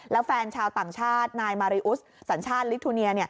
แล้วแฟนชาวต่างชาตินายมาริอุสสัญชาติลิทูเนีย